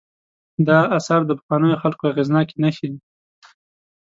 دا آثار د پخوانیو خلکو اغېزناکې نښې دي.